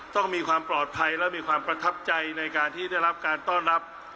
ต้องมีความปลอดภัยและมีความประทับใจในการที่ได้รับการต้อนรับ